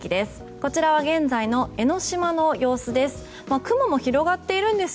こちらは現在の江の島の様子です。